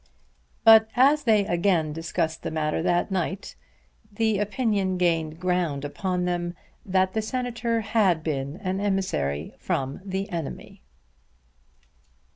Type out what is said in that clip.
But as they again discussed the matter that night the opinion gained ground upon them that the Senator had been an emissary from the enemy.